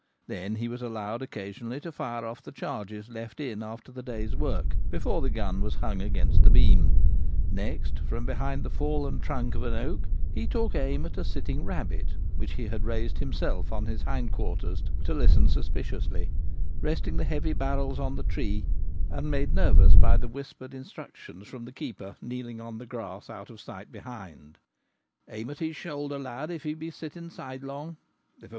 Then he was allowed oc casionally to fire off the charges left in after the day's work, before the gun was hung against the beam. Next, from behind the fallen trunk of an oak he took aim at a sitting rabbit which had raised himself on his hind quarters to listen suspiciously — resting the heavy barrels on the tree, and made nervous by the whispered instructions from the keeper kneeling on the grass out of sight behind, ' Aim at his shoulder, lad, if he be sitting sidelong ; if a!